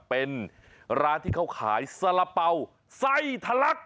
เป็นร้านที่เขาขายสละเป๋าไส้ทะลัก